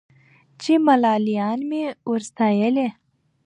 چي ملالیاني مي ور ستایلې